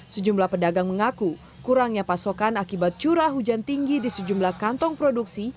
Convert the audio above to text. sejumlah pedagang mengaku kurangnya pasokan akibat curah hujan tinggi di sejumlah kantong produksi